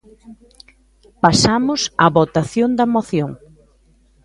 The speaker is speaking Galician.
Pasamos á votación da moción.